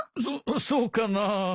そそうかな。